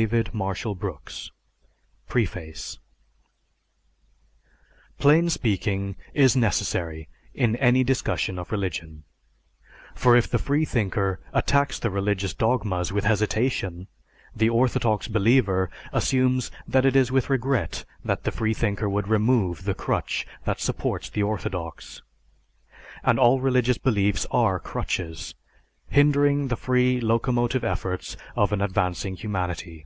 CONTEMPORARY OPINION 309 PREFACE Plain speaking is necessary in any discussion of religion, for if the freethinker attacks the religious dogmas with hesitation, the orthodox believer assumes that it is with regret that the freethinker would remove the crutch that supports the orthodox. And all religious beliefs are "crutches" hindering the free locomotive efforts of an advancing humanity.